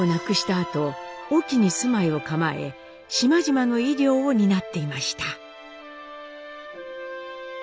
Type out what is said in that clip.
あと隠岐に住まいを構え島々の医療を担っていました。